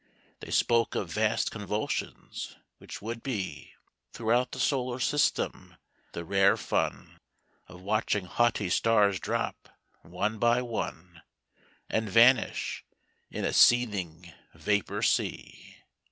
They spoke of vast convulsions which would be Throughout the solar system the rare fun Of watching haughty stars drop, one by one, And vanish in a seething vapor sea.